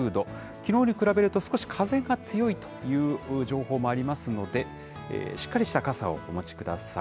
きのうに比べると少し風が強いという情報もありますので、しっかりした傘をお持ちください。